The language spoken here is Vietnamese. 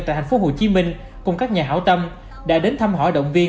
tại thành phố hồ chí minh cùng các nhà hảo tâm đã đến thăm hỏi động viên